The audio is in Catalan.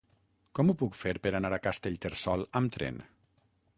Com ho puc fer per anar a Castellterçol amb tren?